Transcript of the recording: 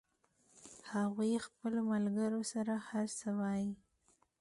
هغوی خپلو ملګرو سره هر څه وایي